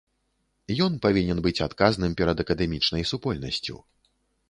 Ён павінен быць адказным перад акадэмічнай супольнасцю.